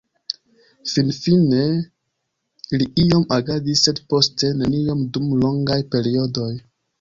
Finfine li iom agadis, sed poste neniom dum longaj periodoj.